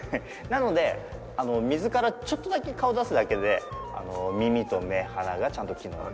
なので水からちょっとだけ顔出すだけで耳と目鼻がちゃんと機能。